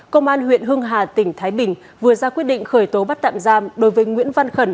công an huyện hưng hà tỉnh thái bình vừa ra quyết định khởi tố bắt tạm giam đối với nguyễn văn khẩn